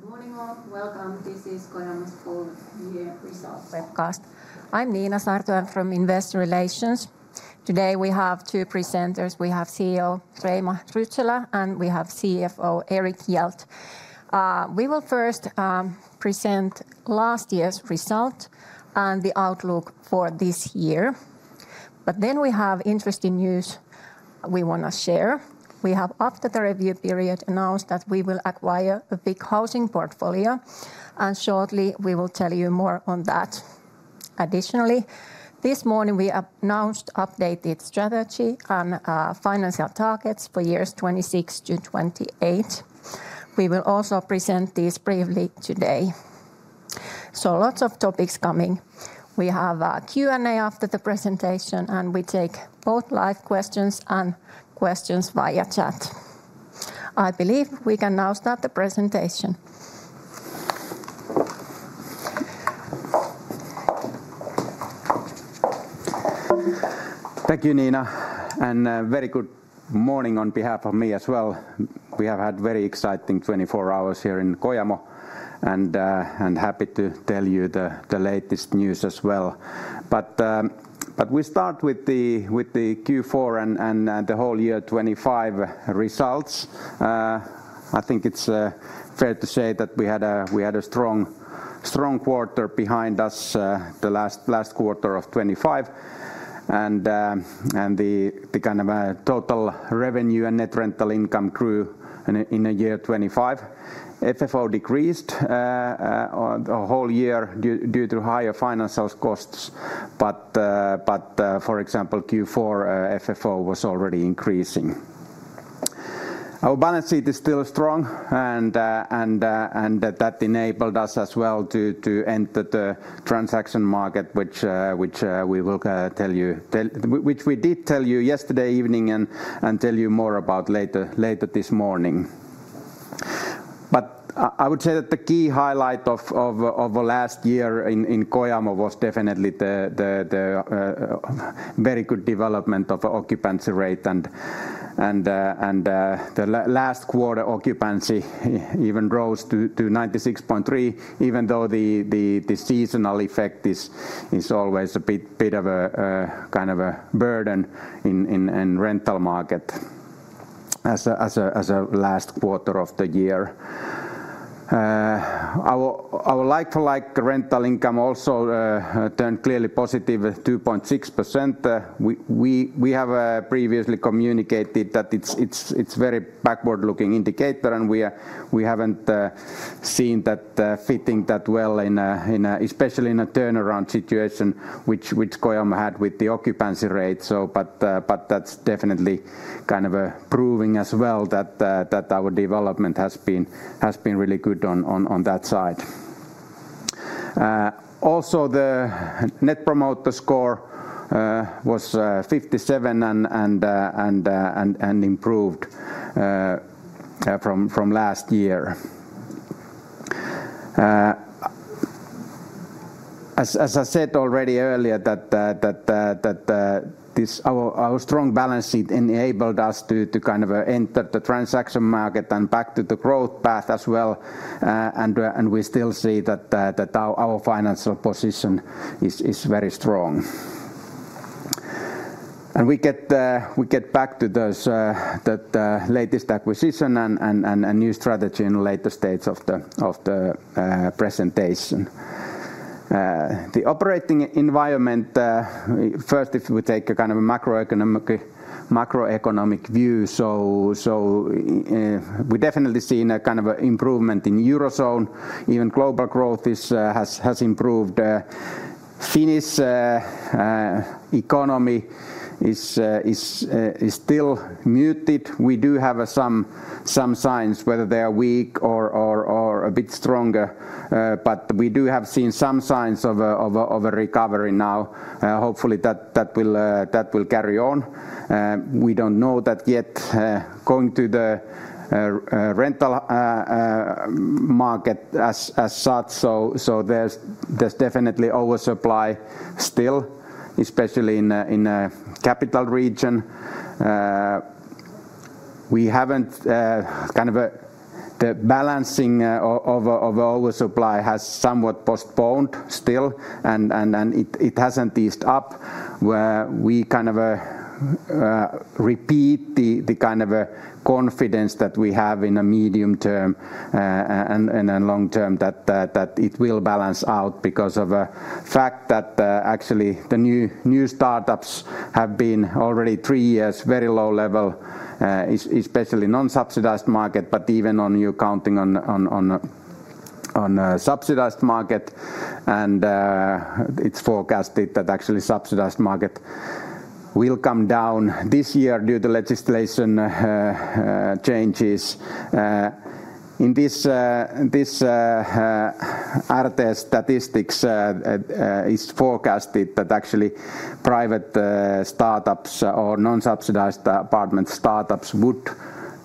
Good morning, all. Welcome. This is Kojamo's full year result webcast. I'm Niina Saarto. I'm from Investor Relations. Today, we have two presenters. We have CEO Reima Rytsölä, and we have CFO Erik Hjelt. We will first present last year's result and the outlook for this year. But then we have interesting news we wanna share. We have, after the review period, announced that we will acquire a big housing portfolio, and shortly we will tell you more on that. Additionally, this morning we announced updated strategy and financial targets for years 2026 to 2028. We will also present these briefly today. Lots of topics coming. We have a Q&A after the presentation, and we take both live questions and questions via chat. I believe we can now start the presentation. Thank you, Niina, and very good morning on behalf of me as well. We have had very exciting twenty-four hours here in Kojamo, and happy to tell you the latest news as well. But we start with the Q4 and the whole year 2025 results. I think it's fair to say that we had a strong quarter behind us, the last quarter of 2025. And the kind of total revenue and net rental income grew in the year 2025. FFO decreased on the whole year due to higher financial costs, but for example, Q4 FFO was already increasing. Our balance sheet is still strong, and that enabled us as well to enter the transaction market, which we will tell you, which we did tell you yesterday evening, and tell you more about later this morning. But I would say that the key highlight of last year in Kojamo was definitely the very good development of occupancy rate and the last quarter occupancy even rose to 96.3, even though the seasonal effect is always a bit of a kind of a burden in rental market as a last quarter of the year. Our like-for-like rental income also turned clearly positive, at 2.6%. We have previously communicated that it's very backward-looking indicator, and we haven't seen that fitting that well in a... especially in a turnaround situation, which Kojamo had with the occupancy rate. So but, but that's definitely kind of proving as well that that our development has been really good on that side. Also, the Net Promoter Score was 57, and improved from last year. As I said already earlier, that our strong balance sheet enabled us to kind of enter the transaction market and back to the growth path as well. We still see that our financial position is very strong. We get back to those, the latest acquisition and a new strategy in later stage of the presentation. The operating environment first, if we take a kind of a macroeconomic view, so we definitely seen a kind of a improvement in Eurozone. Even global growth has improved. Finnish economy is still muted. We do have some signs, whether they are weak or a bit stronger, but we do have seen some signs of a recovery now. Hopefully, that will carry on. We don't know that yet. Going to the rental market as such, so there's definitely oversupply still, especially in the capital region. We haven't. The balancing of oversupply has somewhat postponed still, and it hasn't eased up, where we kind of repeat the kind of confidence that we have in a medium term and long term that it will balance out because of a fact that actually the new startups have been already three years very low level, especially non-subsidized market, but even on you counting on subsidized market. And it's forecasted that actually subsidized market will come down this year due to legislation changes. In this RT statistics is forecasted that actually private startups or non-subsidized apartment startups would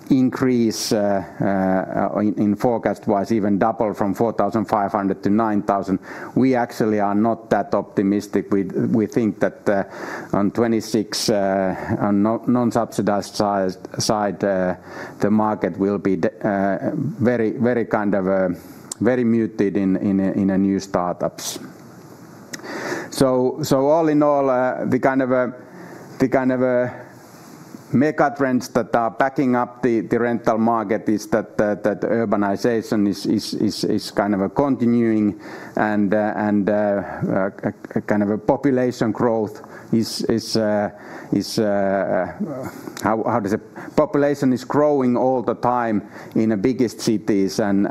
increase, in forecast was even double from 4,500 to 9,000. We actually are not that optimistic. We think that on 2026 on non-subsidized side the market will be very very kind of very muted in a new startups. So all in all the kind of the kind of mega trends that are backing up the rental market is that that urbanization is kind of a continuing and kind of a population growth is. Population is growing all the time in the biggest cities and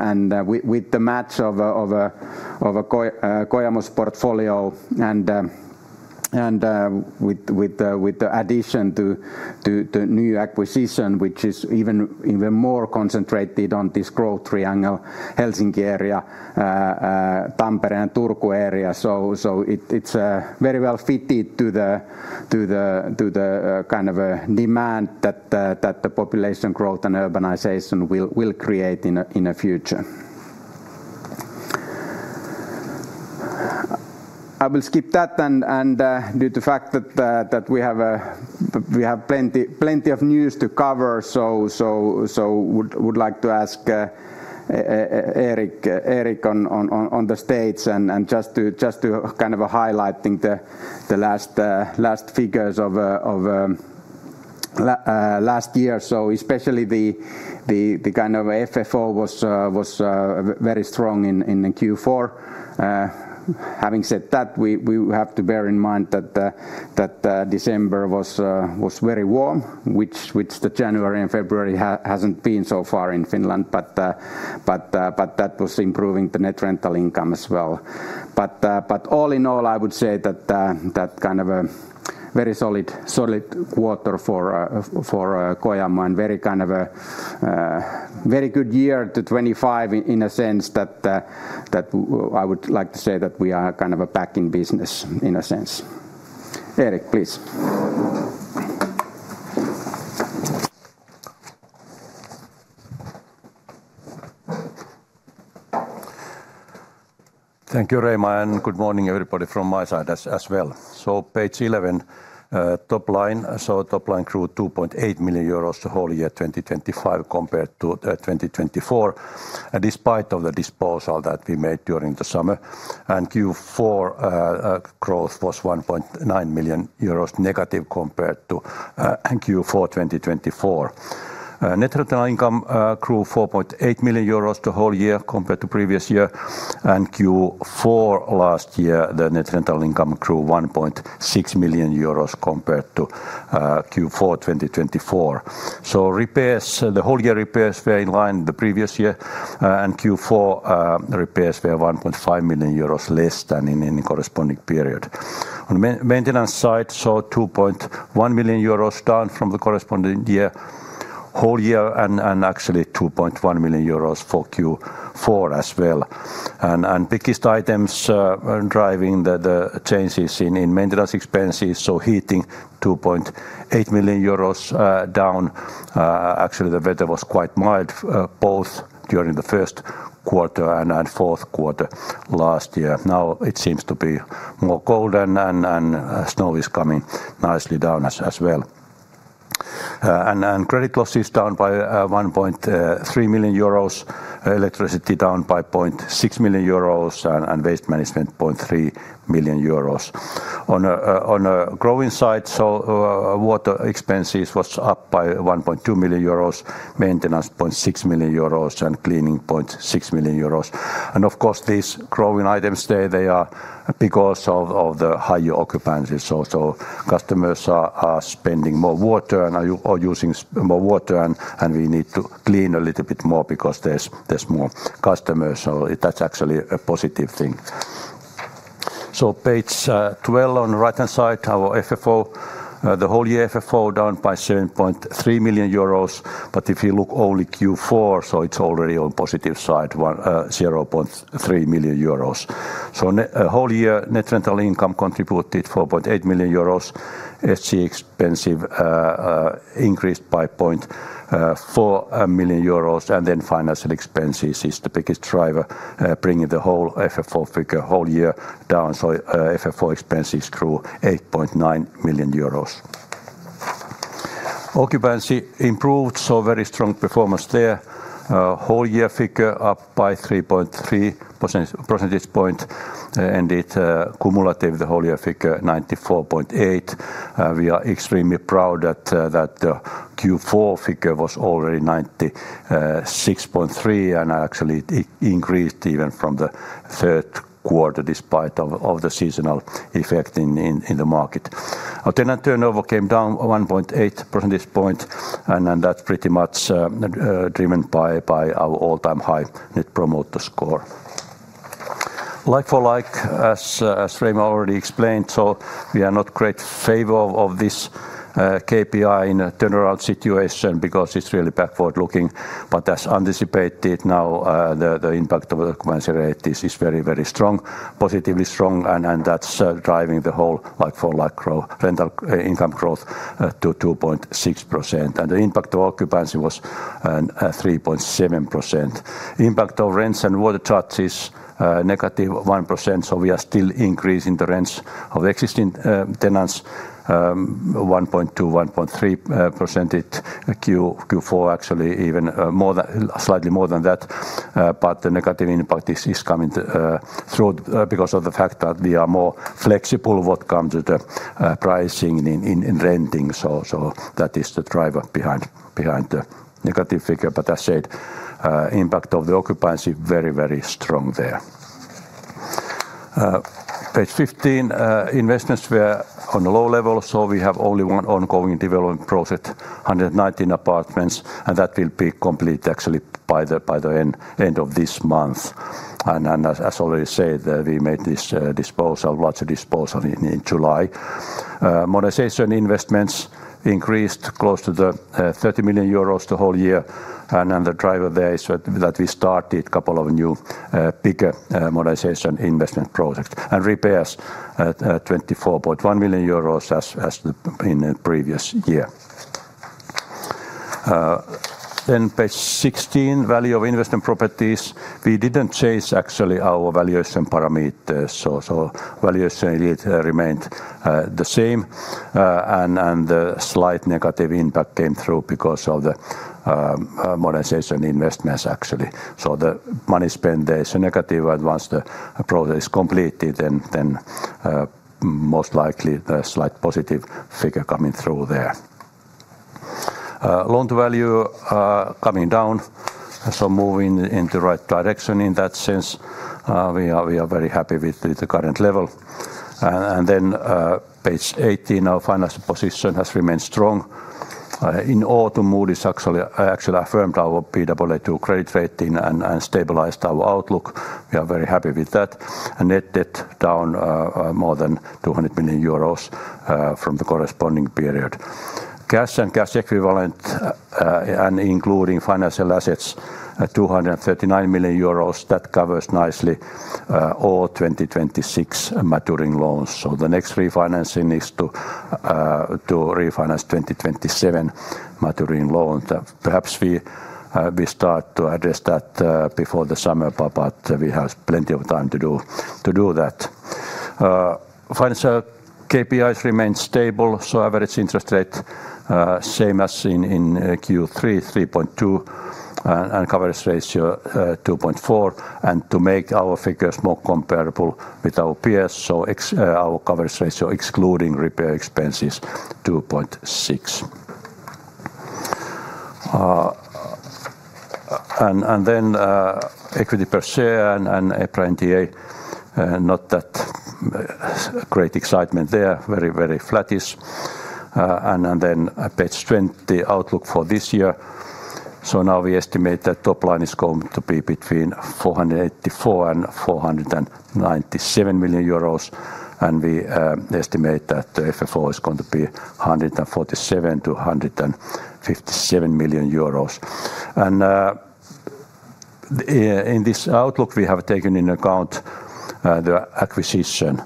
with the match of Kojamo's portfolio and with the addition to new acquisition, which is even more concentrated on this growth triangle, Helsinki area, Tampere and Turku area. So it is very well fitted to the kind of demand that the population growth and urbanization will create in a future. I will skip that and due to the fact that we have plenty of news to cover, so would like to ask Erik on the stage and just to kind of highlighting the last figures of last year. So especially the kind of FFO was very strong in the Q4. Having said that, we have to bear in mind that December was very warm, which the January and February hasn't been so far in Finland, but that was improving the net rental income as well. But all in all, I would say that that kind of a very solid, solid quarter for Kojamo, and very kind of a very good year to 2025, in a sense that I would like to say that we are kind of back in business, in a sense. Erik, please. Thank you, Reima, and good morning, everybody, from my side as well. So page 11, top line. So top line grew 2.8 million euros the whole year 2025 compared to 2024, and despite of the disposal that we made during the summer. And Q4 growth was 1.9 million euros negative compared to Q4 2024. Net rental income grew 4.8 million euros the whole year compared to previous year, and Q4 last year, the net rental income grew 1.6 million euros compared to Q4 2024. So repairs, the whole year repairs were in line the previous year, and Q4 repairs were 1.5 million euros less than in any corresponding period. On maintenance side, so 2.1 million euros down from the corresponding year, whole year, and actually 2.1 million euros for Q4 as well. Biggest items are driving the changes in maintenance expenses, so heating down 2.8 million euros. Actually, the weather was quite mild both during the first quarter and fourth quarter last year. Now it seems to be more colder and snow is coming nicely down as well. And credit loss is down by 1.3 million euros, electricity down by 0.6 million euros, and waste management 0.3 million euros. On a growing side, so water expenses was up by 1.2 million euros, maintenance 0.6 million euros, and cleaning 0.6 million euros. And of course, these growing items there, they are because of the higher occupancies. So customers are spending more water and are using more water, and we need to clean a little bit more because there's more customers, so that's actually a positive thing. So page 12, on the right-hand side, our FFO, the whole year FFO down by 7.3 million euros, but if you look only Q4, so it's already on positive side, 0.3 million euros. So whole year, net rental income contributed 4.8 million euros. SG&A expenses increased by 4 million euros, and then financial expenses is the biggest driver, bringing the whole FFO figure whole year down. So financial expenses grew 8.9 million euros. Occupancy improved, so very strong performance there. Whole year figure up by 3.3 percentage points, and it cumulative, the whole year figure, 94.8%. We are extremely proud that the Q4 figure was already 96.3, and actually, it increased even from the third quarter, despite the seasonal effect in the market. Our tenant turnover came down 1.8 percentage point, and then that's pretty much driven by our all-time high Net Promoter Score. Like for like, as Reima already explained, so we are not a great fan of this KPI in a general situation because it's really backward-looking. But as anticipated, now the impact of the occupancy rate, this is very, very strong, positively strong, and that's driving the whole like for like rental income growth to 2.6%. And the impact of occupancy was 3.7%. Impact of rents and water charges, negative 1%, so we are still increasing the rents of existing tenants, 1.2%-1.3%. Q4 actually even more than, slightly more than that, but the negative impact is coming through because of the fact that we are more flexible when it comes to the pricing in renting. So that is the driver behind the negative figure. But as I said, impact of the occupancy, very, very strong there. Page 15, investments were on a low level, so we have only one ongoing development project, 119 apartments, and that will be complete actually by the end of this month. As already said, we made this large disposal in July. Modernization investments increased close to 30 million euros the whole year, and then the driver there is that we started a couple of new bigger modernization investment projects. And repairs at 24.1 million euros as in the previous year. Then page 16, value of investment properties. We didn't change actually our valuation parameters, so valuation remained the same. And the slight negative impact came through because of the modernization investments, actually. So the money spent there is a negative, and once the project is completed, then most likely a slight positive figure coming through there. Loan-to-value coming down, so moving in the right direction in that sense. We are very happy with the current level. Page 18, our financial position has remained strong. In autumn, Moody's actually affirmed our Baa2 credit rating and stabilized our outlook. We are very happy with that. And net debt down more than 200 million euros from the corresponding period. Cash and cash equivalent, and including financial assets, at 239 million euros, that covers nicely all 2026 maturing loans. So the next refinancing is to refinance 2027 maturing loan. Perhaps we start to address that before the summer, but we have plenty of time to do that. Financial KPIs remain stable, so average interest rate same as in Q3, 3.2, and coverage ratio 2.4. To make our figures more comparable with our peers, so ex- our coverage ratio, excluding repair expenses, 2.6. Equity per share and EPRA NDV not that great excitement there. Very, very flattish. Page 20, outlook for this year. So now we estimate that top line is going to be between 484 million and 497 million euros, and we estimate that the FFO is going to be 147 million-157 million euros. In this outlook, we have taken into account the acquisition,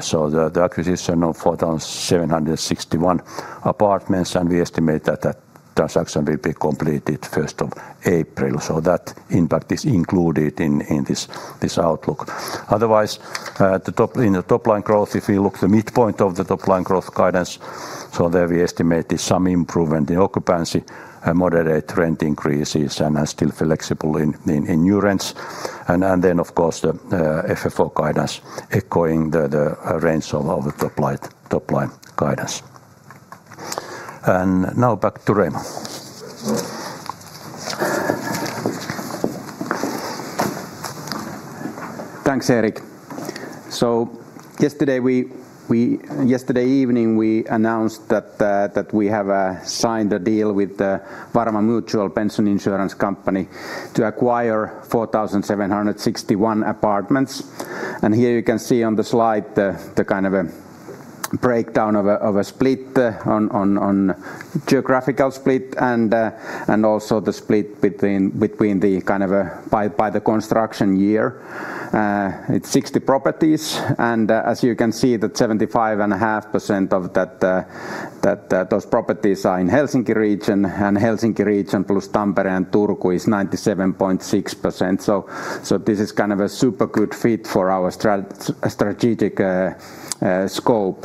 so the acquisition of 4,761 apartments, and we estimate that that transaction will be completed first of April. So that impact is included in this outlook. Otherwise, in the top-line growth, if you look the midpoint of the top-line growth guidance, so there we estimated some improvement in occupancy and moderate rent increases and are still flexible in new rents. And then, of course, the FFO guidance echoing the range of the top line, top-line guidance. And now back to Reima. Thanks, Erik. So yesterday, Yesterday evening, we announced that we have signed a deal with the Varma Mutual Pension Insurance Company to acquire 4,761 apartments. And here you can see on the slide the kind of a breakdown of a split on geographical split and also the split between the kind of by the construction year. It's 60 properties, and as you can see, 75.5% of that those properties are in Helsinki region, and Helsinki region plus Tampere and Turku is 97.6%. So this is kind of a super good fit for our strategic scope.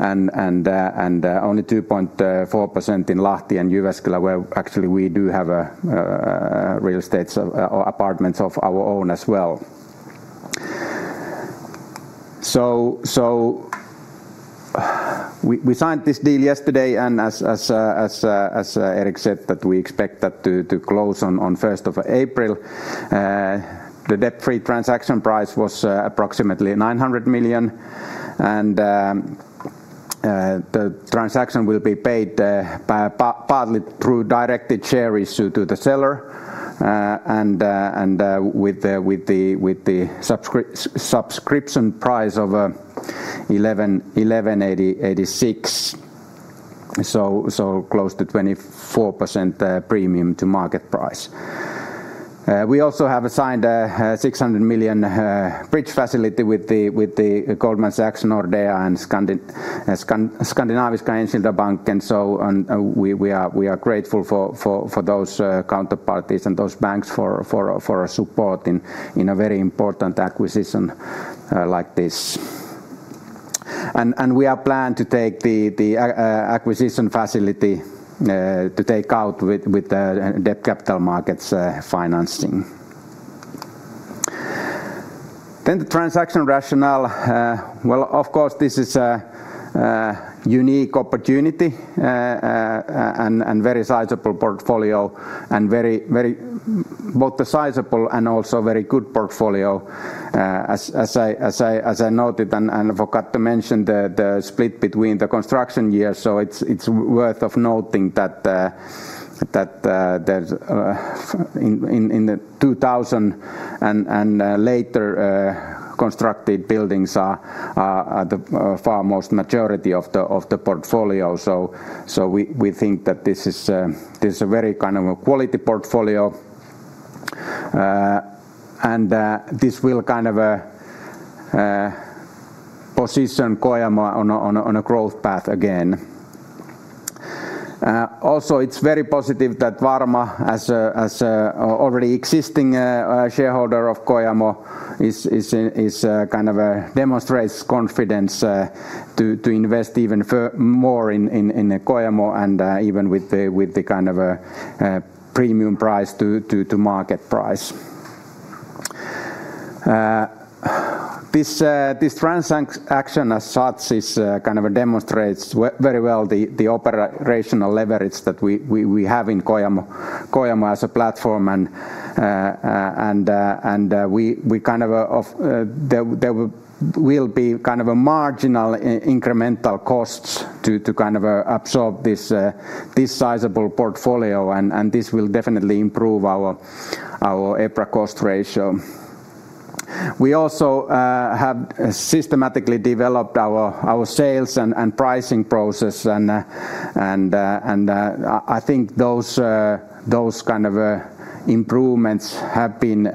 Only 2.4% in Lahti and Jyväskylä, where actually we do have a real estate or apartments of our own as well. So we signed this deal yesterday, and as Erik said, that we expect that to close on first of April. The debt-free transaction price was approximately 900 million, and the transaction will be paid partly through directed share issue to the seller, and with the subscription price of 11.86, so close to 24% premium to market price. We also have assigned a 600 million bridge facility with the Goldman Sachs, Nordea, and Skandinaviska Enskilda Bank, and we are grateful for those counterparties and those banks for support in a very important acquisition like this. We are planned to take the acquisition facility to take out with the capital markets financing. Then the transaction rationale, of course, this is a unique opportunity, and very sizable portfolio, and both the sizable and also very good portfolio, as I noted and forgot to mention the split between the construction years. So it's worth noting that in the 2000 and later constructed buildings are the far most majority of the portfolio. So we think that this is a very kind of a quality portfolio. And this will kind of position Kojamo on a growth path again. Also, it's very positive that Varma, as an already existing shareholder of Kojamo, kind of demonstrates confidence to invest even more in Kojamo and even with the kind of premium price to market price. This transaction as such is kind of demonstrates very well the operational leverage that we have in Kojamo as a platform. We kind of... There will be kind of a marginal incremental costs to kind of absorb this sizable portfolio, and this will definitely improve our EPRA Cost Ratio. We also have systematically developed our sales and pricing process, and I think those kind of improvements have been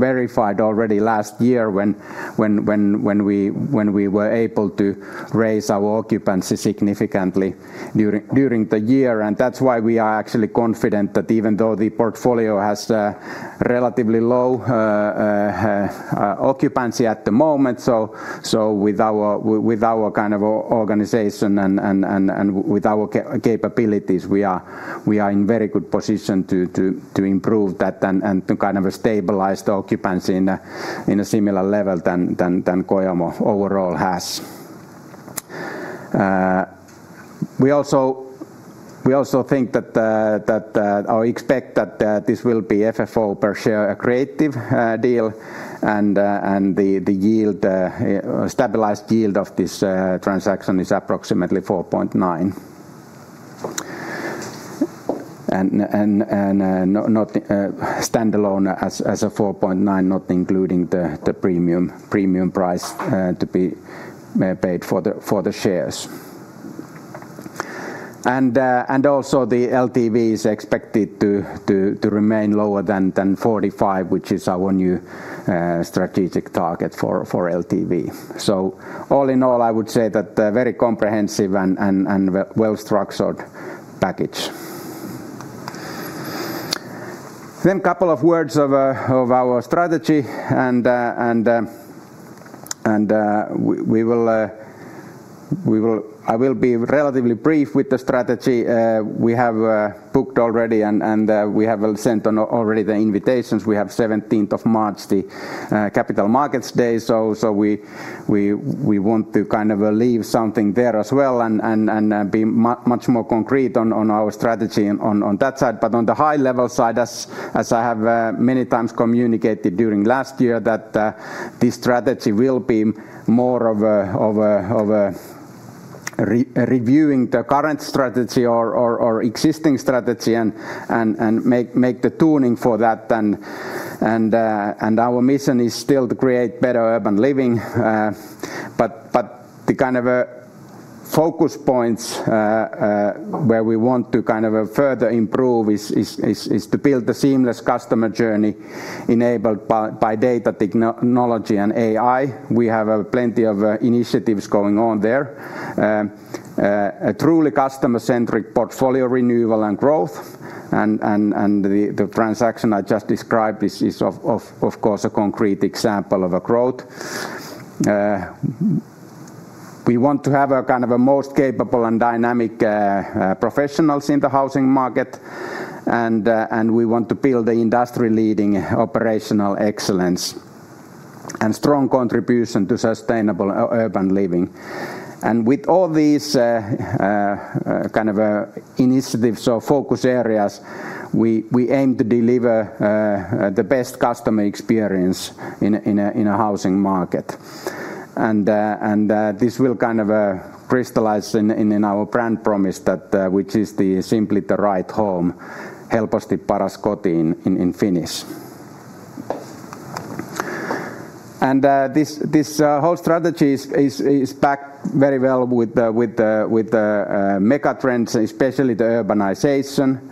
verified already last year when we were able to raise our occupancy significantly during the year. And that's why we are actually confident that even though the portfolio has a relatively low occupancy at the moment, so with our kind of organization and with our capabilities, we are in very good position to improve that and to kind of stabilize the occupancy in a similar level than Kojamo overall has. We also think that or expect that this will be FFO per share accretive deal, and the stabilized yield of this transaction is approximately 4.9. And not standalone as a 4.9, not including the premium price to be paid for the shares. And also the LTV is expected to remain lower than 45, which is our new strategic target for LTV. So all in all, I would say that a very comprehensive and well-structured package. Then a couple of words of our strategy, and we will—I will be relatively brief with the strategy. We have booked already, and we have sent on already the invitations. We have 17th of March, the Capital Markets Day. So we want to kind of leave something there as well and be much more concrete on our strategy on that side. But on the high-level side, as I have many times communicated during last year, that this strategy will be more of a reviewing the current strategy or existing strategy and make the tuning for that. And our mission is still to create better urban living. But the kind of focus points where we want to kind of further improve is to build the seamless customer journey enabled by data technology and AI. We have plenty of initiatives going on there. A truly customer-centric portfolio renewal and growth, and the transaction I just described is of course a concrete example of a growth. We want to have a kind of a most capable and dynamic professionals in the housing market, and we want to build an industry-leading operational excellence and strong contribution to sustainable urban living. And with all these kind of initiatives or focus areas, we aim to deliver the best customer experience in a housing market. And this will kind of crystallize in our brand promise, which is simply the right home, helposti, in Finnish. And this whole strategy is backed very well with the megatrends, especially the urbanization.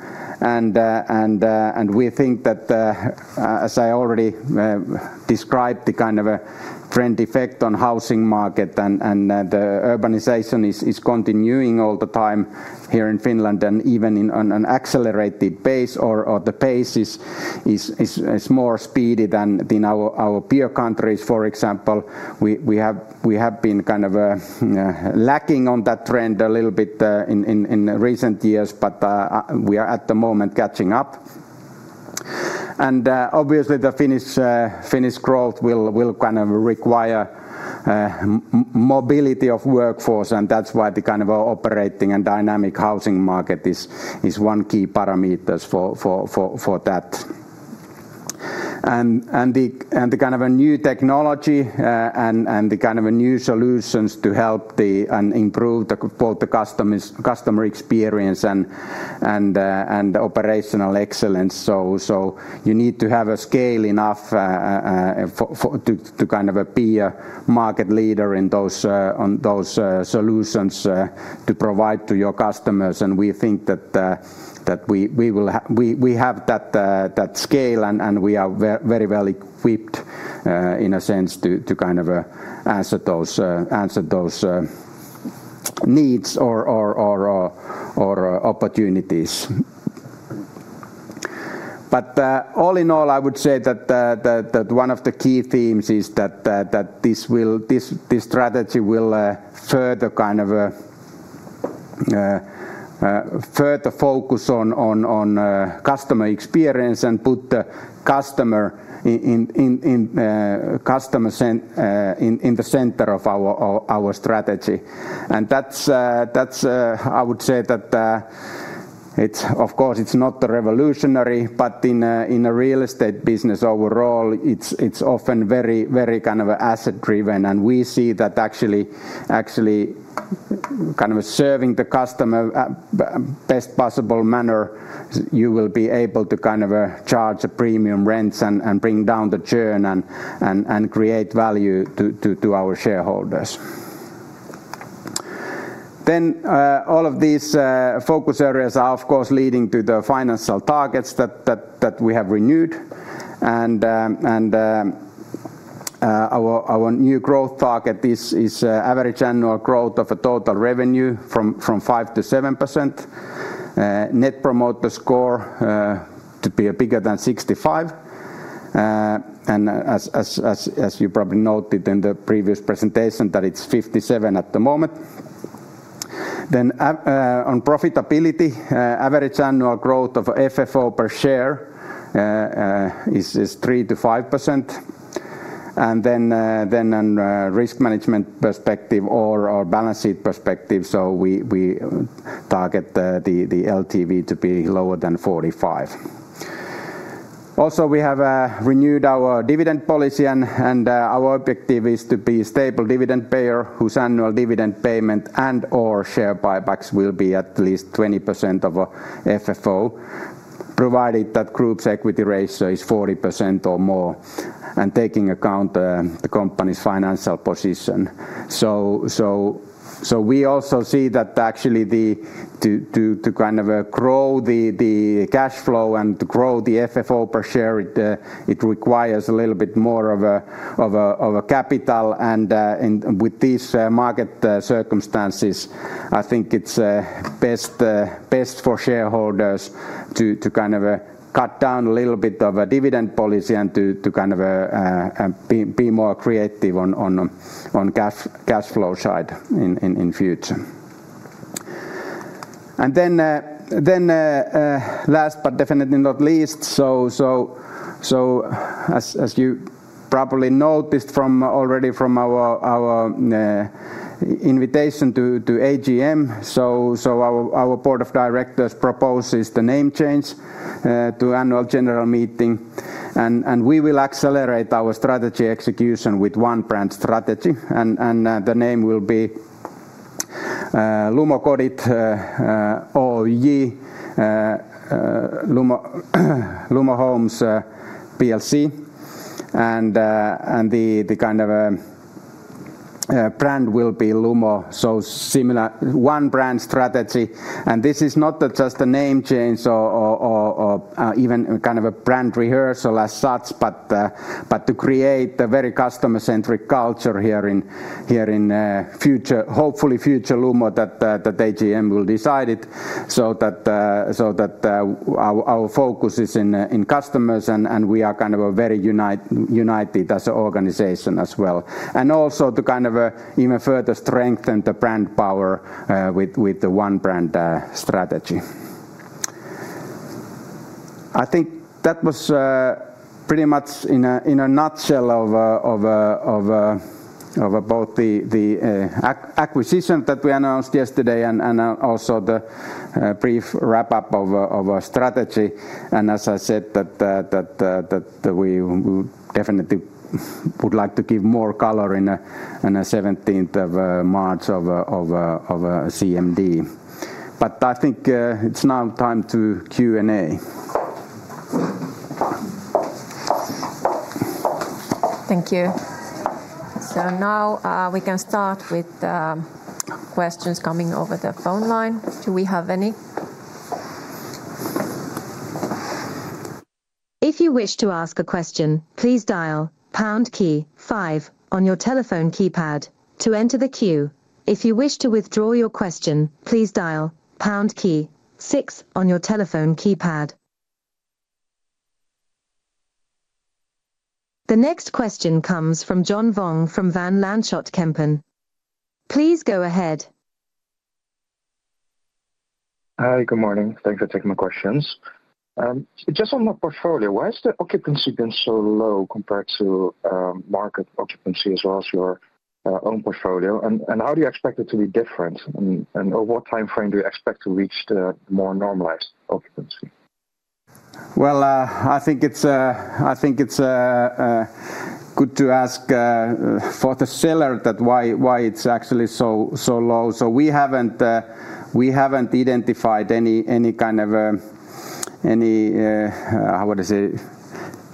We think that, as I already described, the kind of a trend effect on housing market and the urbanization is continuing all the time here in Finland, and even on an accelerated pace, or the pace is more speedy than in our peer countries, for example. We have been kind of lacking on that trend a little bit in recent years, but we are at the moment catching up. And obviously, the Finnish growth will kind of require mobility of workforce, and that's why the kind of operating and dynamic housing market is one key parameters for that. And the kind of a new technology and the kind of a new solutions to help and improve both the customer experience and operational excellence. So you need to have a scale enough to kind of be a market leader in those solutions to provide to your customers. And we think that we have that scale, and we are very well equipped in a sense to kind of answer those needs or opportunities. But all in all, I would say that one of the key themes is that this will... This strategy will further kind of further focus on customer experience and put the customer in the center of our strategy. And that's, I would say that it's of course not revolutionary, but in a real estate business overall, it's often very very kind of asset-driven. And we see that actually kind of serving the customer best possible manner, you will be able to kind of charge a premium rents and create value to our shareholders. Then all of these focus areas are of course leading to the financial targets that we have renewed. Our new growth target is average annual growth of total revenue from 5%-7%. Net Promoter Score to be bigger than 65. And as you probably noted in the previous presentation, that it's 57 at the moment. Then on profitability, average annual growth of FFO per share is 3%-5%. And then on risk management perspective or our balance sheet perspective, so we target the LTV to be lower than 45. Also, we have renewed our dividend policy, and our objective is to be a stable dividend payer whose annual dividend payment and/or share buybacks will be at least 20% of FFO, provided that group's equity ratio is 40% or more, and taking account the company's financial position. So we also see that actually to kind of grow the cash flow and to grow the FFO per share, it requires a little bit more of a capital. And with these market circumstances, I think it's best for shareholders to kind of cut down a little bit of a dividend policy and to kind of be more creative on cash flow side in future. And then last but definitely not least, so as you probably noticed already from our invitation to AGM, so our Board of Directors proposes the name change to Annual General Meeting. And we will accelerate our strategy execution with one brand strategy, and the name will be Lumo Kodit Oy, Lumo Homes PLC. And the kind of brand will be Lumo, so similar one brand strategy. This is not just a name change or even kind of a brand rehearsal as such, but to create a very customer-centric culture here in future, hopefully future Lumo, that AGM will decide it. So that our focus is in customers, and we are kind of a very united as an organization as well. And also to kind of even further strengthen the brand power with the one brand strategy. I think that was pretty much in a nutshell of both the acquisition that we announced yesterday and also the brief wrap-up of our strategy. As I said, we definitely would like to give more color on the 17th of March CMD. But I think it's now time to Q&A. Thank you. So now, we can start with questions coming over the phone line. Do we have any? If you wish to ask a question, please dial pound key five on your telephone keypad to enter the queue. If you wish to withdraw your question, please dial pound key six on your telephone keypad. The next question comes from John Vuong from Van Lanschot Kempen. Please go ahead. Hi, good morning. Thanks for taking my questions. Just on the portfolio, why has the occupancy been so low compared to market occupancy as well as your own portfolio? And how do you expect it to be different? And over what time frame do you expect to reach the more normalized occupancy? Well, I think it's good to ask for the seller that why it's actually so low. So we haven't identified any kind of, how would I say,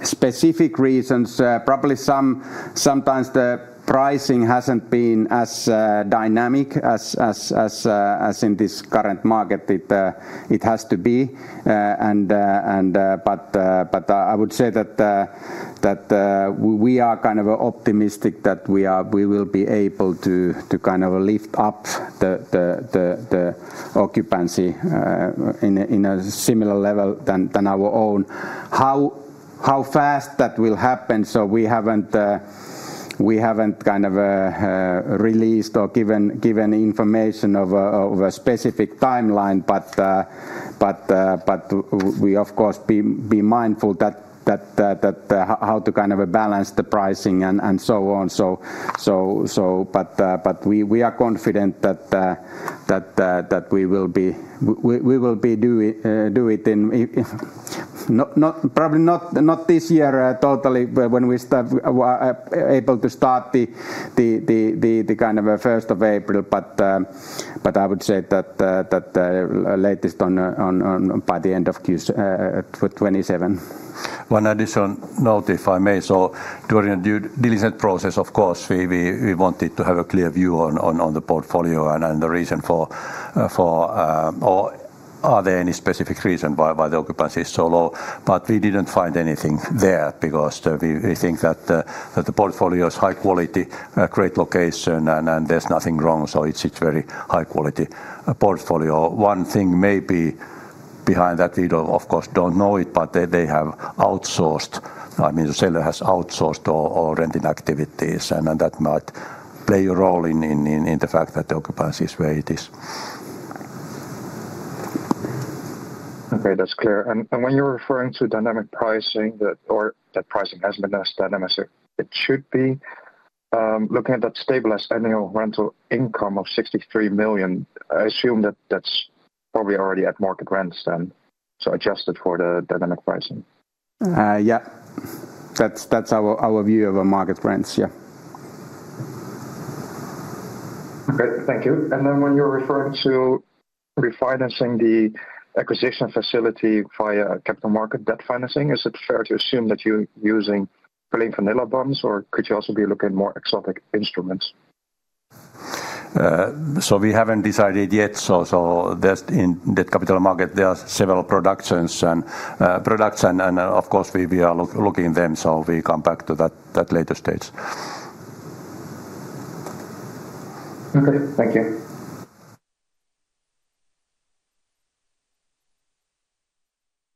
specific reasons. Probably sometimes the pricing hasn't been as dynamic as in this current market it has to be. And... But I would say that we are kind of optimistic that we will be able to kind of lift up the occupancy in a similar level than our own. How fast that will happen, so we haven't kind of released or given information of a specific timeline, but we of course be mindful that how to kind of balance the pricing and so on. So but we are confident that we will be do it in if not probably not this year totally, but when we start able to start the kind of first of April. But I would say that latest by the end of Q4 2027. One additional note, if I may. So during the due diligence process, of course, we wanted to have a clear view on the portfolio and the reason for or are there any specific reason why the occupancy is so low? But we didn't find anything there because we think that the portfolio is high quality, great location, and there's nothing wrong. So it's very high quality portfolio. One thing may be behind that, we of course, don't know it, but they have outsourced. I mean, the seller has outsourced all renting activities, and that might play a role in the fact that the occupancy is where it is. Okay, that's clear. And when you're referring to dynamic pricing, that pricing hasn't been as dynamic as it should be, looking at that stabilized annual rental income of 63 million, I assume that that's probably already at market rents then, so adjusted for the dynamic pricing. Yeah. That's our view of a market rents. Okay, thank you. And then when you're referring to refinancing the acquisition facility via capital market debt financing, is it fair to assume that you're using plain vanilla bonds, or could you also be looking at more exotic instruments? So we haven't decided yet. So, in the debt capital market, there are several providers and products, and of course, we are looking at them, so we come back to that at a later stage. Okay, thank you.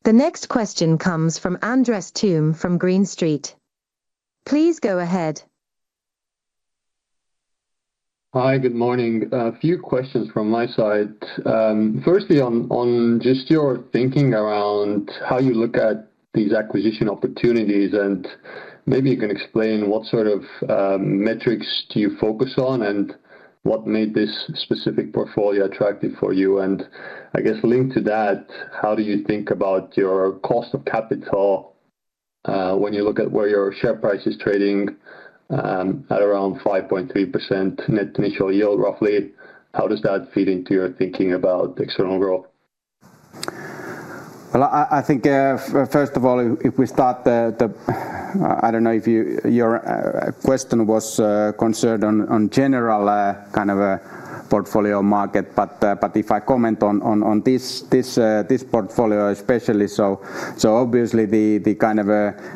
The next question comes from Andres Toome from Green Street. Please go ahead. Hi, good morning. A few questions from my side. Firstly, on, on just your thinking around how you look at these acquisition opportunities, and maybe you can explain what sort of, metrics do you focus on, and what made this specific portfolio attractive for you? And I guess linked to that, how do you think about your cost of capital, when you look at where your share price is trading, at around 5.3% net initial yield, roughly? How does that feed into your thinking about external growth? Well, I think, first of all, if we start the... I don't know if your question was concerned on general kind of a portfolio market. But, if I comment on this portfolio especially, so, obviously the kind of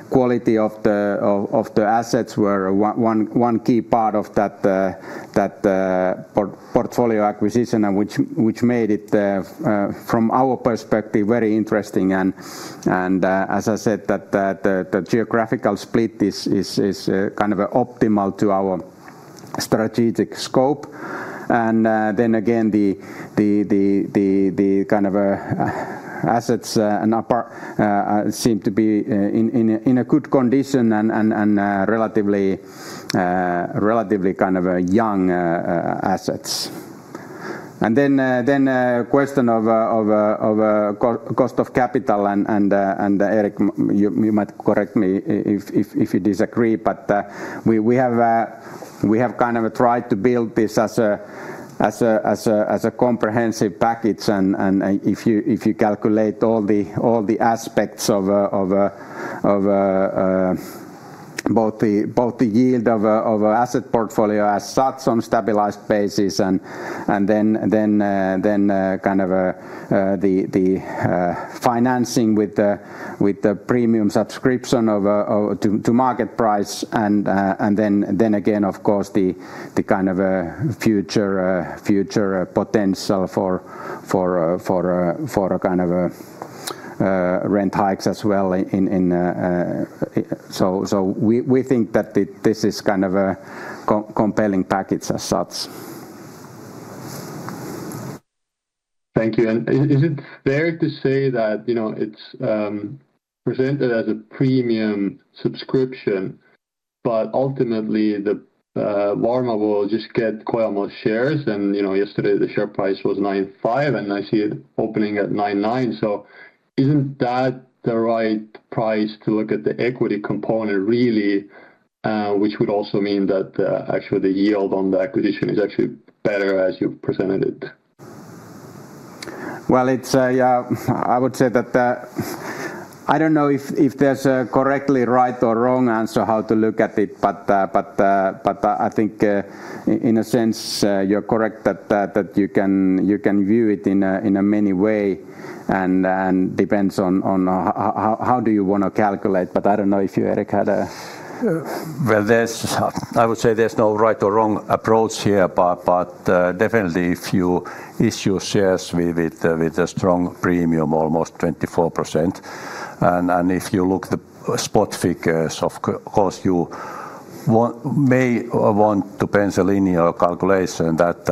quality of the assets were one key part of that portfolio acquisition, and which made it, from our perspective, very interesting. And, as I said, that the geographical split is kind of optimal to our strategic scope. Then again, the kind of assets and upper seem to be in a good condition and relatively kind of a young assets. Then the question of cost of capital and, Erik, you might correct me if you disagree, but we have kind of tried to build this as a comprehensive package. If you calculate all the aspects of both the yield of asset portfolio as such on stabilized basis and then kind of the financing with the premium subscription to market price. And then again, of course, the kind of future potential for a kind of rent hikes as well in... So we think that this is kind of a compelling package as such.... Thank you. And is it fair to say that, you know, it's presented as a premium subscription, but ultimately the Varma will just get quite almost shares? And, you know, yesterday the share price was 9.5, and I see it opening at 9.9. So isn't that the right price to look at the equity component, really, which would also mean that actually the yield on the acquisition is actually better as you've presented it? Well, it's yeah, I would say that I don't know if there's a correctly right or wrong answer how to look at it, but I think in a sense you're correct that you can view it in a many way and depends on how do you wanna calculate. But I don't know if you, Erik, had a- Well, I would say there's no right or wrong approach here, but definitely if you issue shares with a strong premium, almost 24%, and if you look at the spot figures, of course, you may want to pencil in your calculation that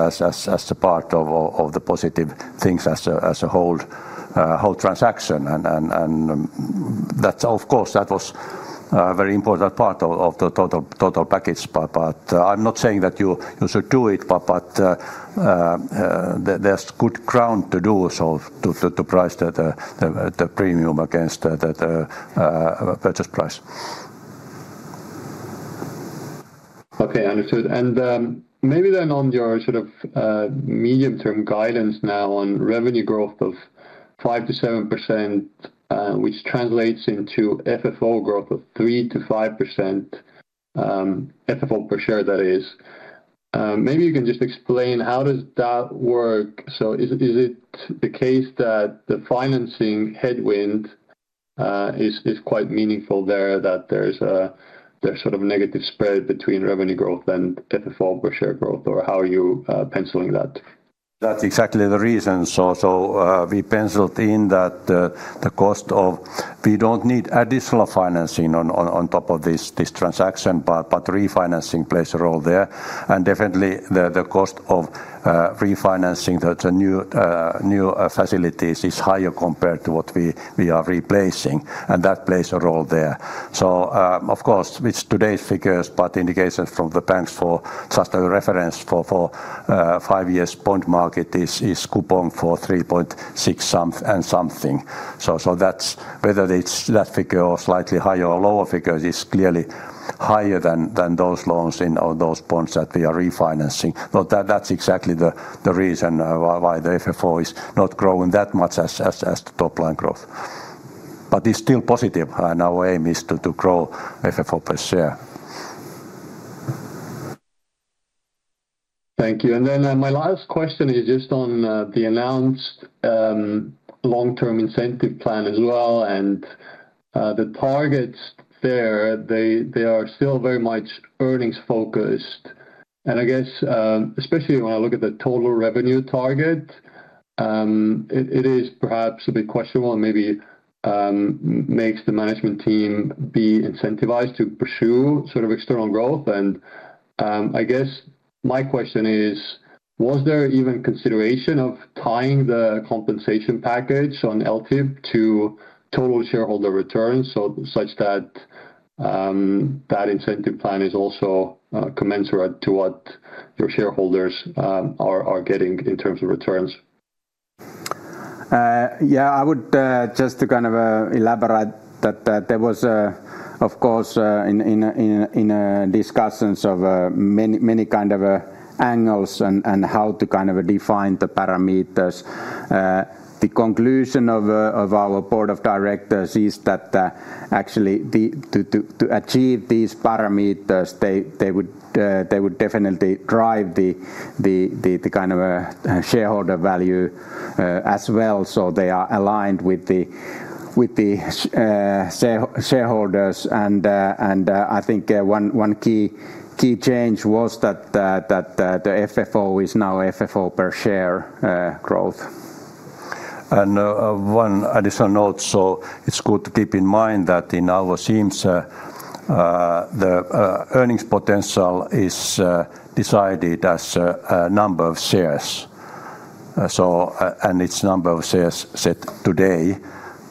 as a part of the positive things as a whole transaction. And that's of course, that was a very important part of the total package. But I'm not saying that you should do it, but there's good ground to do so, to price the premium against the purchase price. Okay, understood. And, maybe then on your sort of, medium-term guidance now on revenue growth of 5%-7%, which translates into FFO growth of 3%-5%, FFO per share, that is. Maybe you can just explain how does that work? So is it, is it the case that the financing headwind, is, is quite meaningful there, that there's a, there's sort of a negative spread between revenue growth and FFO per share growth, or how are you, penciling that? That's exactly the reason. We penciled in that the cost of... We don't need additional financing on top of this transaction, but refinancing plays a role there. And definitely, the cost of refinancing the new facilities is higher compared to what we are replacing, and that plays a role there. Of course, with today's figures, but indications from the banks for just a reference for 5-year bond market is coupon for 3.6 some- and something. So that's whether it's that figure or slightly higher or lower figure, is clearly higher than those loans or those bonds that we are refinancing. So that's exactly the reason why the FFO is not growing that much as the top line growth. But it's still positive, and our aim is to grow FFO per share. Thank you. And then, my last question is just on the announced long-term incentive plan as well, and the targets there. They are still very much earnings-focused. And I guess, especially when I look at the total revenue target, it is perhaps a bit questionable and maybe makes the management team be incentivized to pursue sort of external growth. And I guess my question is: Was there even consideration of tying the compensation package on LTIP to total shareholder returns, so such that that incentive plan is also commensurate to what your shareholders are getting in terms of returns? Yeah, I would just to kind of elaborate that there was, of course, in discussions of many, many kind of angles and how to kind of define the parameters. The conclusion of our Board of Directors is that actually to achieve these parameters, they would definitely drive the kind of shareholder value as well, so they are aligned with the shareholders. And I think one key change was that the FFO is now FFO per share growth. One additional note, so it's good to keep in mind that in our teams, the earnings potential is decided as a number of shares. So, and it's number of shares set today.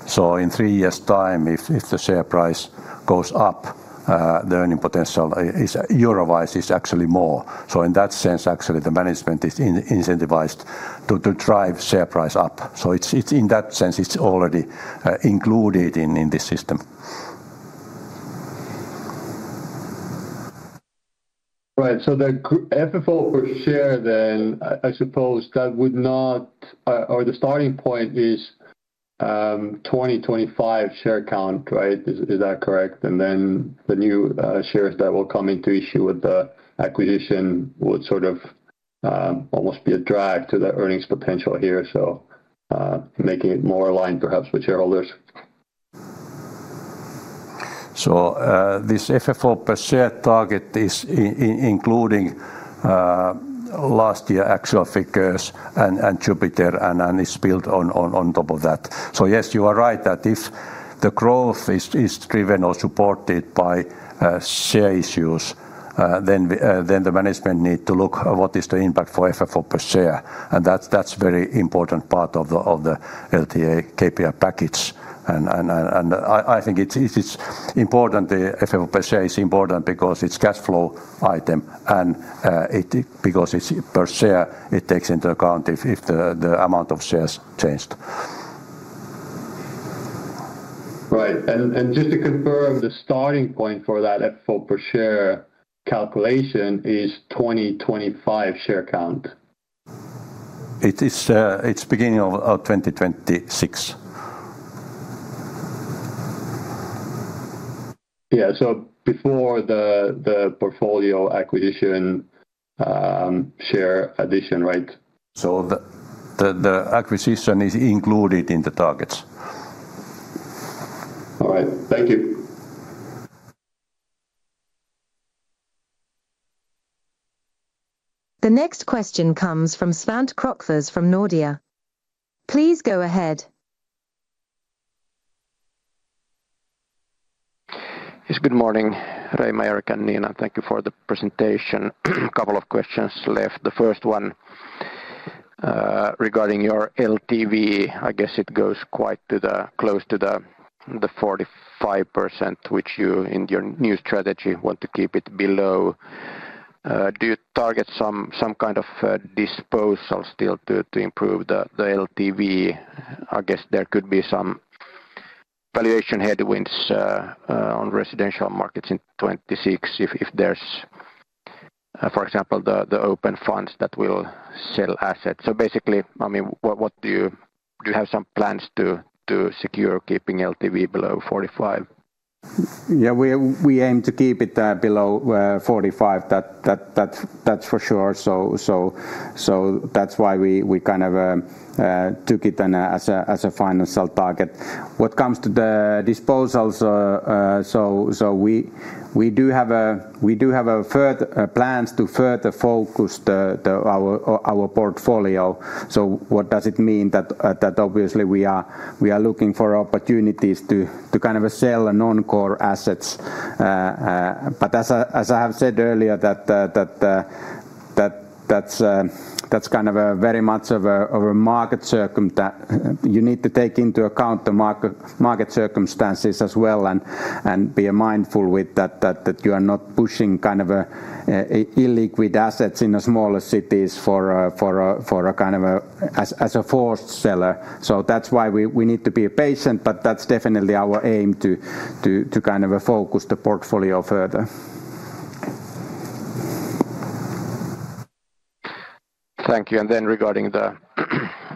So in three years' time, if the share price goes up, the earning potential is euro-wise, is actually more. So in that sense, actually, the management is incentivized to drive share price up. So it's in that sense, it's already included in the system. Right. So the FFO per share then, I, I suppose that would not... or the starting point is, 2025 share count, right? Is, is that correct? And then the new, shares that will come into issue with the acquisition would sort of, almost be a drag to the earnings potential here, so, making it more aligned, perhaps, with shareholders?... So, this FFO per share target is including last year actual figures and Jupiter, and it's built on top of that. So yes, you are right, that if the growth is driven or supported by share issues, then the management need to look at what is the impact for FFO per share, and that's very important part of the LTI KPI package. And I think it's important, the FFO per share is important because it's cashflow item and because it's per share, it takes into account if the amount of shares changed. Right. And just to confirm, the starting point for that FFO per share calculation is 2025 share count? It is, it's beginning of 2026. Yeah. So before the portfolio acquisition, share addition, right? So the acquisition is included in the targets. All right. Thank you. The next question comes from Svante Krokfors from Nordea. Please go ahead. Yes, good morning, Ray, Erik, and Niina. Thank you for the presentation. Couple of questions left. The first one, regarding your LTV, I guess it goes quite to the- close to the, the 45%, which you, in your new strategy, want to keep it below. Do you target some, some kind of, disposal still to, to improve the, the LTV? I guess there could be some valuation headwinds, on residential markets in 2026 if, if there's, for example, the, the open funds that will sell assets. So basically, I mean, what, what do you... Do you have some plans to, to secure keeping LTV below 45%? Yeah, we aim to keep it below 45. That's for sure. So that's why we kind of took it as a final sell target. What comes to the disposals, so we do have further plans to further focus our portfolio. So what does it mean? That obviously, we are looking for opportunities to kind of sell non-core assets. But as I have said earlier, that that's kind of a very much of a market circumstances—you need to take into account the market circumstances as well, and be mindful with that, that you are not pushing kind of a illiquid assets in the smaller cities for a kind of a, as a forced seller. So that's why we need to be patient, but that's definitely our aim to kind of focus the portfolio further. Thank you. And then regarding the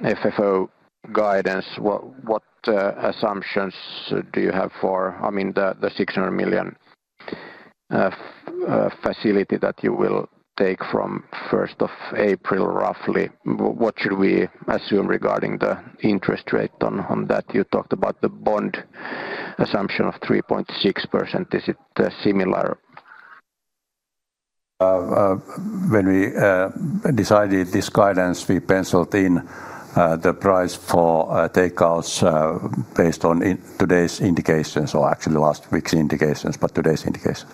FFO guidance, what assumptions do you have for, I mean, the 600 million facility that you will take from 1st of April, roughly? What should we assume regarding the interest rate on that? You talked about the bond assumption of 3.6%. Is it similar? When we decided this guidance, we penciled in the price for takeouts based on in today's indications or actually last week's indications, but today's indication.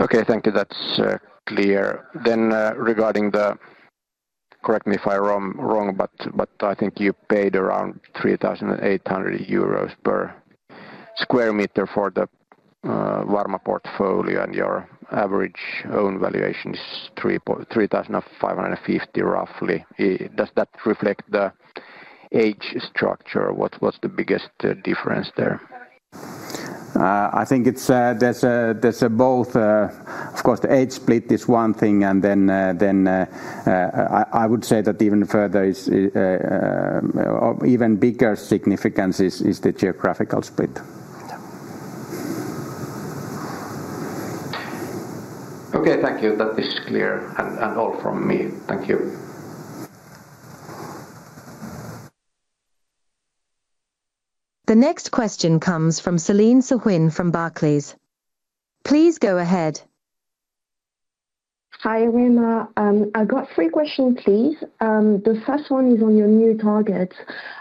Okay, thank you. That's clear. Then, regarding the... Correct me if I'm wrong, but I think you paid around 3,800 euros per square meter for the Varma portfolio, and your average own valuation is 3,350, roughly. Does that reflect the age structure? What's the biggest difference there? I think it's, there's both. Of course, the age split is one thing, and then, I would say that even further, of even bigger significance is the geographical split. Okay, thank you. That is clear. And, and all from me. Thank you. The next question comes from Celine Soo-Huynh from Barclays. Please go ahead. Hi, Reima. I got three questions, please. The first one is on your new targets.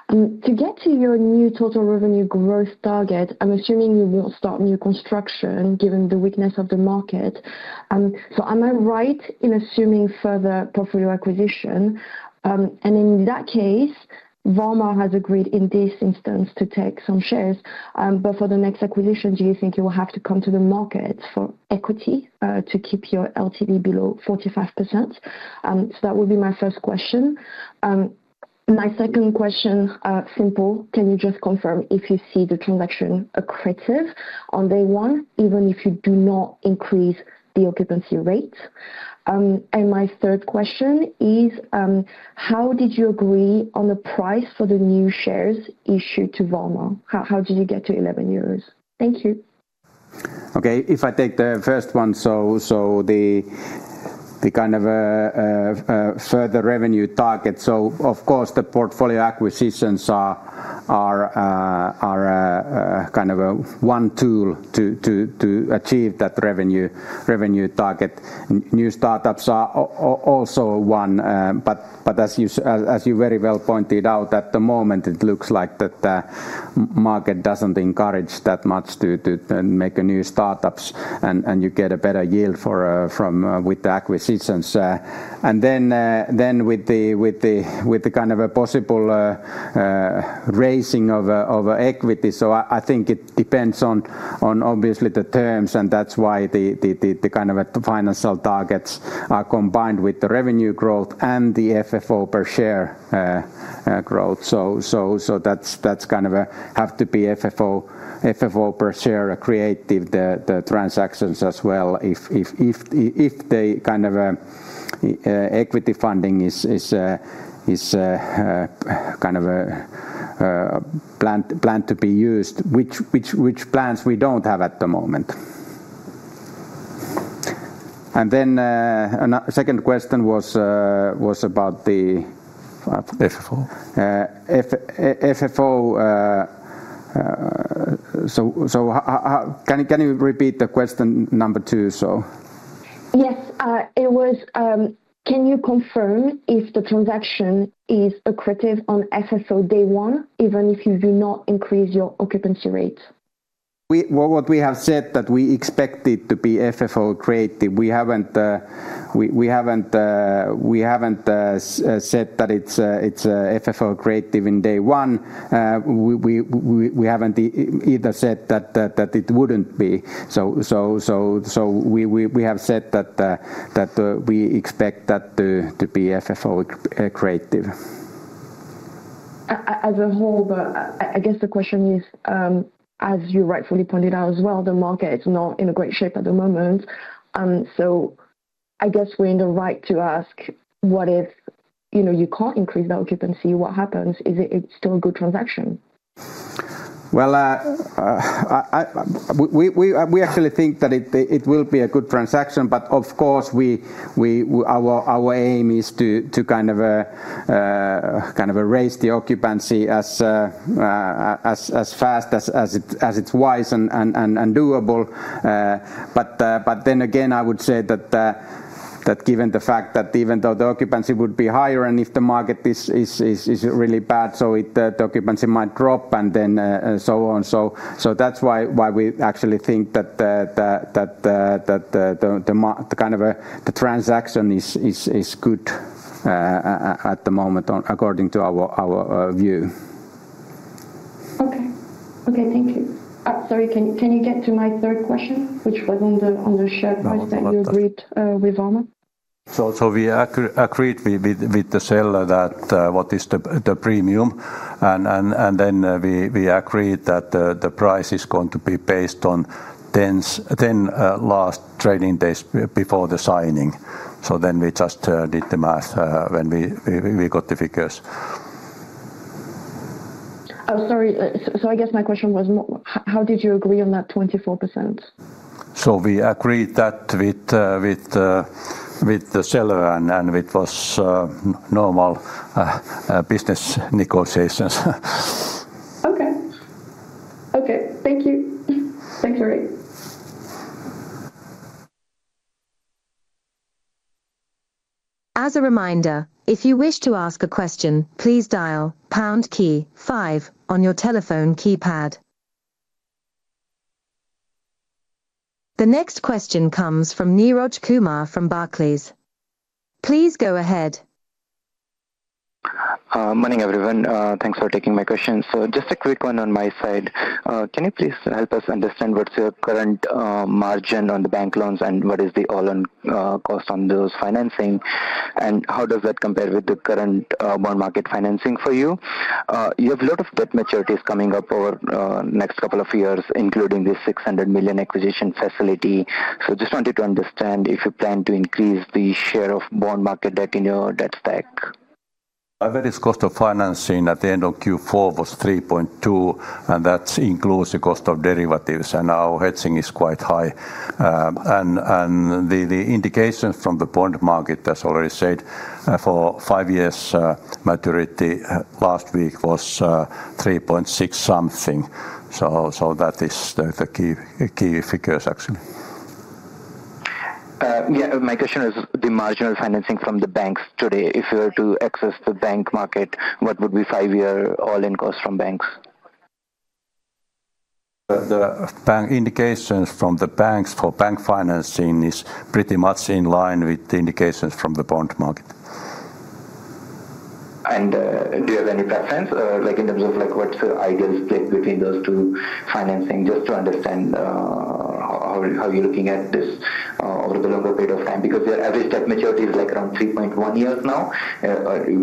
To get to your new total revenue growth target, I'm assuming you will start new construction, given the weakness of the market. So am I right in assuming further portfolio acquisition? And in that case, Varma has agreed, in this instance, to take some shares. But for the next acquisition, do you think you will have to come to the market for equity, to keep your LTV below 45%? So that would be my first question. My second question, simple, can you just confirm if you see the transaction accretive on day one, even if you do not increase the occupancy rate? And my third question is, how did you agree on the price for the new shares issued to Varma? How did you get to 11 euros? Thank you.... Okay, if I take the first one, so the kind of further revenue target. So of course, the portfolio acquisitions are kind of a one tool to achieve that revenue target. New startups are also one, but as you very well pointed out, at the moment, it looks like that the market doesn't encourage that much to make a new startups, and you get a better yield from with the acquisitions. And then with the kind of a possible raising of equity. So I think it depends on obviously the terms, and that's why the kind of financial targets are combined with the revenue growth and the FFO per share growth. So that's kind of a have to be FFO per share creative the transactions as well. If the kind of equity funding is kind of planned to be used, which plans we don't have at the moment. And then second question was about the- FFO. FFO. So how... Can you repeat the question number two, so? Yes. Can you confirm if the transaction is accretive on FFO day one, even if you do not increase your occupancy rate? Well, what we have said that we expect it to be FFO accretive. We haven't said that it's FFO accretive in day one. We haven't either said that it wouldn't be. So we have said that we expect that to be FFO accretive. As a whole, but I guess the question is, as you rightfully pointed out as well, the market is not in a great shape at the moment. So I guess we're in the right to ask, what if, you know, you can't increase the occupancy, what happens? Is it still a good transaction? Well, we actually think that it will be a good transaction, but of course, our aim is to kind of raise the occupancy as fast as it's wise and doable. But then again, I would say that given the fact that even though the occupancy would be higher and if the market is really bad, so the occupancy might drop, and then so on. So that's why we actually think that the kind of transaction is good at the moment according to our view. Okay. Okay, thank you. Sorry, can you get to my third question, which was on the share price that you agreed with Varma? So we agreed with the seller that what is the premium, and then we agreed that the price is going to be based on 10 last trading days before the signing. So then we just did the math when we got the figures. Oh, sorry. So, I guess my question was more how did you agree on that 24%? So we agreed that with the seller, and it was normal business negotiations. Okay. Okay, thank you. Thank you, Reima. As a reminder, if you wish to ask a question, please dial pound key five on your telephone keypad. The next question comes from Neeraj Kumar from Barclays. Please go ahead. Morning, everyone. Thanks for taking my question. So just a quick one on my side. Can you please help us understand what's your current margin on the bank loans, and what is the all-in cost on those financing? And how does that compare with the current bond market financing for you? You have a lot of debt maturities coming up over next couple of years, including the 600 million acquisition facility. So just wanted to understand if you plan to increase the share of bond market debt in your debt stack. Our average cost of financing at the end of Q4 was 3.2, and that includes the cost of derivatives, and our hedging is quite high. And the indications from the bond market, as already said, for 5 years maturity, last week was 3.6 something. So that is the key figures, actually. Yeah, my question is the marginal financing from the banks today. If you were to access the bank market, what would be five-year all-in cost from banks? The bank indications from the banks for bank financing is pretty much in line with the indications from the bond market. Do you have any preference, like in terms of like what's your ideal split between those two financing, just to understand, how you're looking at this, over the longer period of time? Because your average debt maturity is like around 3.1 years now.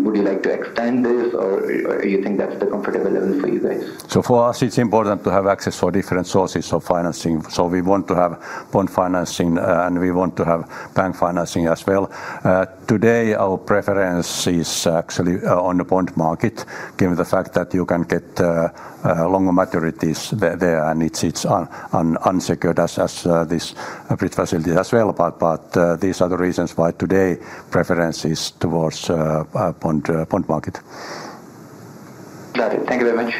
Would you like to extend this, or you think that's the comfortable level for you guys? So for us, it's important to have access to different sources of financing. So we want to have bond financing and we want to have bank financing as well. Today, our preference is actually on the bond market, given the fact that you can get longer maturities there, and it's unsecured as this bridge facility as well. These are the reasons why today preference is towards bond market. Got it. Thank you very much....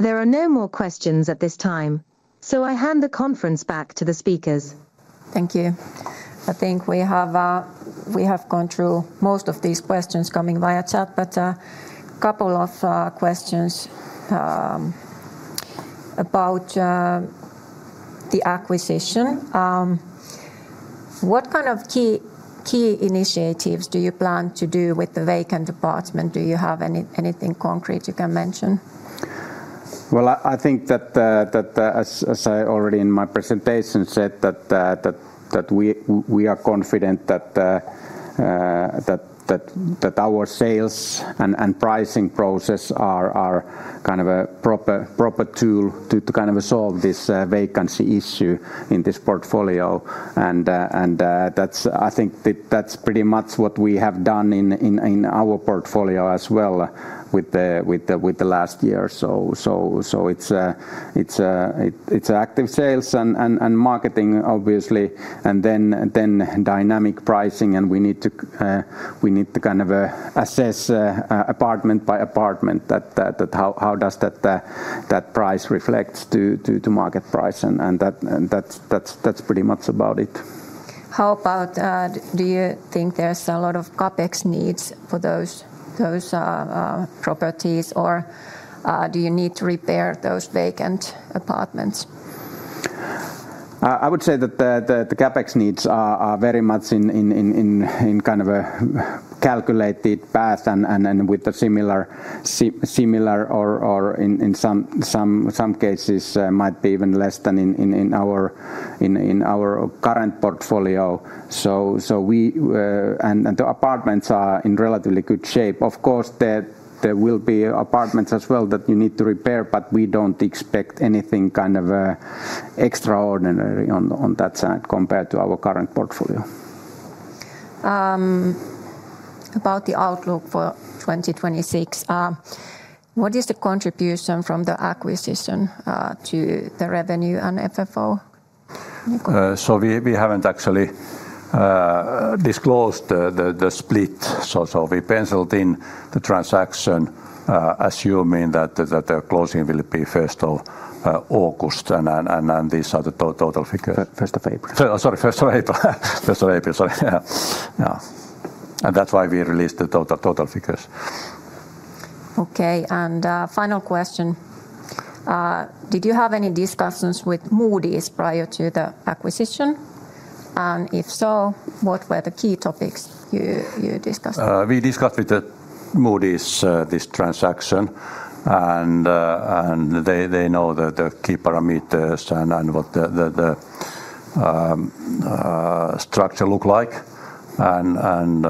There are no more questions at this time, so I hand the conference back to the speakers. Thank you. I think we have gone through most of these questions coming via chat, but a couple of questions about the acquisition. What kind of key initiatives do you plan to do with the vacant apartment? Do you have anything concrete you can mention? Well, I think that, as I already in my presentation said that, that we are confident that, that our sales and pricing process are kind of a proper tool to kind of solve this vacancy issue in this portfolio. And that's—I think that's pretty much what we have done in our portfolio as well, with the last year. So it's active sales and marketing obviously, and then dynamic pricing, and we need to kind of assess apartment by apartment that how does that price reflects to market price, and that's pretty much about it. How about, do you think there's a lot of CapEx needs for those properties, or do you need to repair those vacant apartments? I would say that the CapEx needs are very much in kind of a calculated path and with a similar or in some cases might be even less than in our current portfolio. The apartments are in relatively good shape. Of course, there will be apartments as well that you need to repair, but we don't expect anything kind of extraordinary on that side compared to our current portfolio. About the outlook for 2026, what is the contribution from the acquisition to the revenue and FFO? So we haven't actually disclosed the split. So we penciled in the transaction, assuming that the closing will be first of August, and these are the total figures. First of April. Sorry, first of April. First of April, sorry. Yeah. Yeah, and that's why we released the total, total figures. Okay, and, final question. Did you have any discussions with Moody's prior to the acquisition? If so, what were the key topics you discussed? We discussed with Moody's this transaction, and they know the key parameters and what the structure look like. And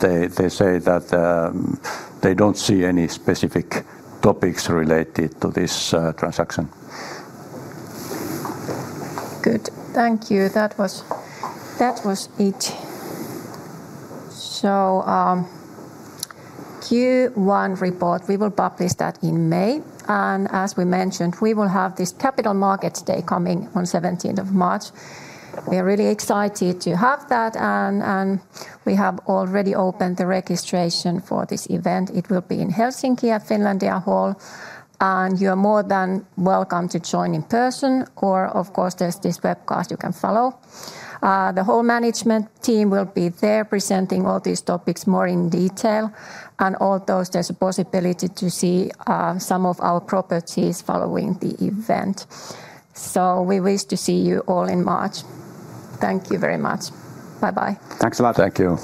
they say that they don't see any specific topics related to this transaction. Good. Thank you. That was, that was it. So, Q1 report, we will publish that in May, and as we mentioned, we will have this Capital Markets Day coming on 17th of March. We are really excited to have that, and, and we have already opened the registration for this event. It will be in Helsinki at Finlandia Hall, and you are more than welcome to join in person or, of course, there's this webcast you can follow. The whole management team will be there presenting all these topics more in detail. And also, there's a possibility to see some of our properties following the event. So we wish to see you all in March. Thank you very much. Bye-bye. Thanks a lot. Thank you.